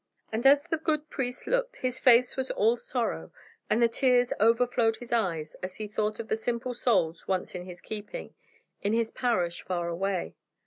And as the good priest looked, his face was all sorrow, and the tears overflowed his eyes, as he thought of the simple souls once in his keeping, in his parish far away.